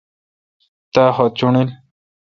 تا خط چوݨڈیل۔